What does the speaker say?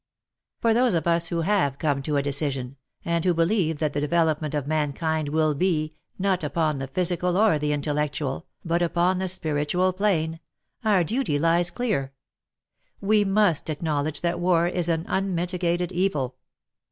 For those of us who have come to a decision, and who believe that the development of mankind will be, not upon the physical or the intellectual, but upon the spiritual plane, our duty lies clear. We must acknowledge that war is an unmitigated evil.